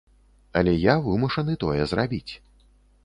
Але я вымушаны тое зрабіць.